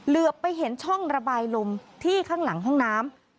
เหลือไปเห็นช่องระบายลมที่ข้างหลังห้องน้ำ